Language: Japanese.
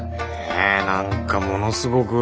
え何かものすごく。